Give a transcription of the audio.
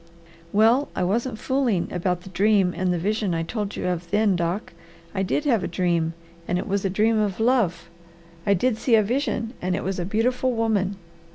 "Well I wasn't fooling about the dream and the vision I told you of then, Doc. I did have a dream and it was a dream of love. I did see a vision and it was a beautiful woman."